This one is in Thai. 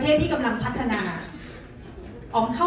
อ๋อแต่มีอีกอย่างนึงค่ะ